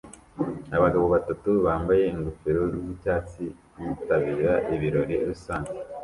Abagabo batatu bambaye ingofero z'icyatsi bitabira ibirori rusange